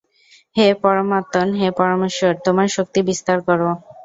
হে পরমাত্মন্, হে পরমেশ্বর, তোমার শক্তি বিস্তার কর।